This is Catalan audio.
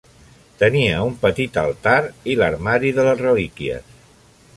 Tenia un petit altar i l'armari de les relíquies.